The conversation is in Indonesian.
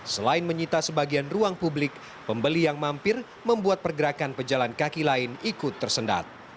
selain menyita sebagian ruang publik pembeli yang mampir membuat pergerakan pejalan kaki lain ikut tersendat